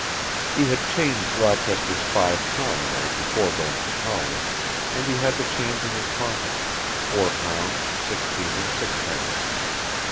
He had changed Rochester's five pound note before going to Collins, and he had the change in his pocket, four pounds sixteen and sixpence.